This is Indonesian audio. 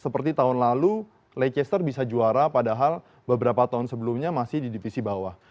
seperti tahun lalu leichester bisa juara padahal beberapa tahun sebelumnya masih di divisi bawah